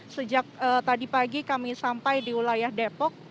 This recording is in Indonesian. sejak tadi pagi kami sampai di wilayah depok